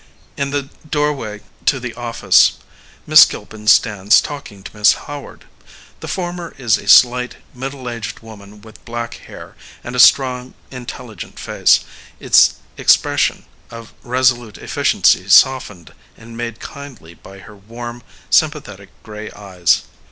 In the doorway to the office, Miss Gilpin stands talking to Miss Howard. The former 34 is a slight, middle aged woman zvith black hair, and a strong, intelligent face, its expression of resolute efficiency softened and made kindly by her warm, sympathetic grey eyes.